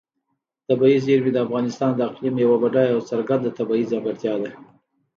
طبیعي زیرمې د افغانستان د اقلیم یوه بډایه او څرګنده طبیعي ځانګړتیا ده.